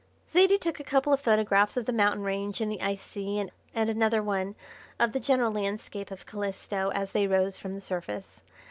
Zaidie took a couple of photographs of the mountain range and the ice sea and another one of the general landscape of Calisto as they rose from the surface.